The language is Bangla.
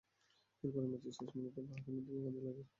এরপর ম্যাচের শেষ মিনিটে বাহরাইন অধিনায়ক আবদুল আজিজ লাল কার্ড দেখেছেন।